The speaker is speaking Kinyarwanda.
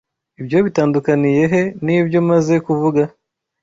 Ibyo bitandukaniye he nibyo maze kuvuga?